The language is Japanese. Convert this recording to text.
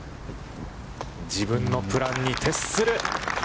自分のプランに徹する。